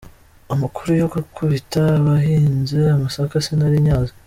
"Amakuru yo gukubita abahinze amasaka sinari nyazi".